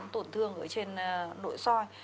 tổn thương ở trên nội soi